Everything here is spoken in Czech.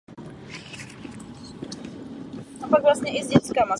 Půvab proslulého historického hotelu tím zcela zanikl.